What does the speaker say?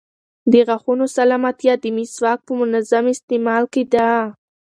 د غاښونو سلامتیا د مسواک په منظم استعمال کې ده.